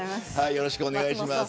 よろしくお願いします。